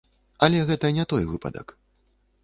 Але гэта не той выпадак.